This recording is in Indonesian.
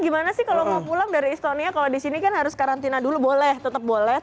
gimana sih kalau mau pulang dari istonia kalau di sini kan harus karantina dulu boleh tetap boleh